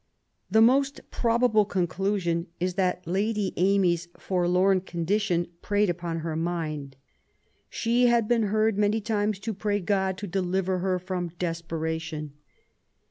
The most probable con clusion is that Lady Amy's forlorn condition preyed upon her mind. " She had been heard many times to pray God to deliver her from desperation."